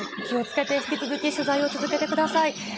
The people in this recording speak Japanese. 気をつけて、引き続き取材を続けてください。